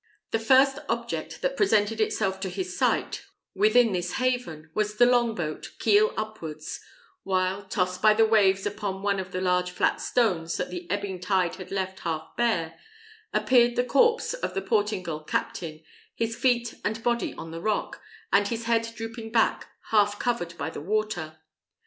The first object that presented itself to his sight, within this haven, was the long boat, keel upwards; while, tossed by the waves upon one of the large flat stones that the ebbing tide had left half bare, appeared the corpse of the Portingal captain, his feet and body on the rock, and his head drooping back, half covered by the water.